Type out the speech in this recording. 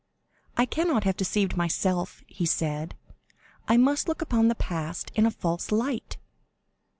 "I cannot have deceived myself," he said; "I must look upon the past in a false light.